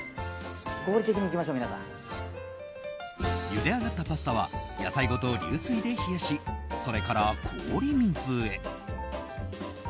ゆで上がったパスタは野菜ごと流水で冷やしそれから氷水へ。